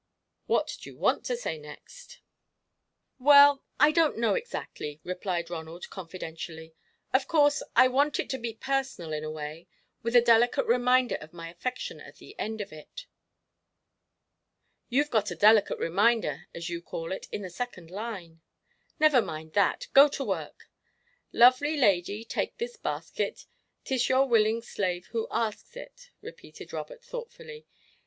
"What do you want to say next?" "Well, I don't know, exactly," replied Ronald, confidentially. "Of course, I want it to be personal in a way, with a delicate reminder of my affection at the end of it." "You've got a 'delicate reminder,' as you call it, in the second line." "Never mind that; go to work." "Lovely lady, take this basket; 'T is your willing slave who asks it," repeated Robert, thoughtfully.